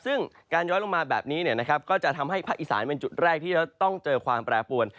ซึ่งการย้อยลงมาแบบนี้ก็จะทำให้ภาคอีสานเป็นจุดแรกที่จะต้องเจอความแปรปวน